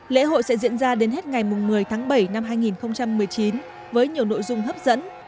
lễ hội sẽ diễn ra đến hết ngày một mươi tháng bảy năm hai nghìn một mươi chín với nhiều nội dung hấp dẫn